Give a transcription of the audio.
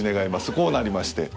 こうなりまして。